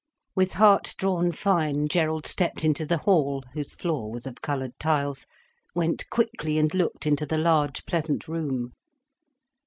With heart drawn fine, Gerald stepped into the hall, whose floor was of coloured tiles, went quickly and looked into the large, pleasant room.